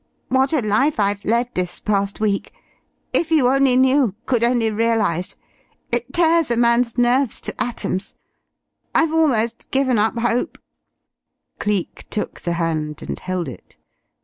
What a life I've led this past week! If you only knew could only realize! It tears a man's nerves to atoms. I've almost given up hope " Cleek took the hand and held it.